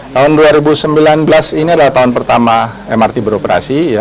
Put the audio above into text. tahun dua ribu sembilan belas ini adalah tahun pertama mrt beroperasi